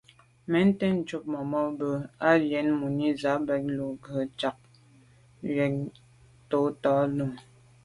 Mɛ́n tɛ̌n cúp màmá mbə̄ á jə́n mùní zə̄ bàk lù gə́ ndzjɛ̂k ŋkɔ̀k tǒ tàh tó.